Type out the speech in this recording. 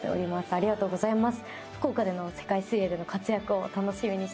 ありがとうございます。